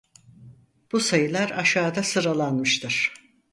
Bu sayılar aşağıda sıralanmıştır.